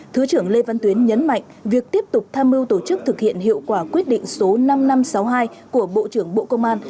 thứ trưởng lê văn tuyến nhấn mạnh việc tiếp tục tham mưu tổ chức thực hiện hiệu quả quyết định số năm nghìn năm trăm sáu mươi hai của bộ trưởng bộ công an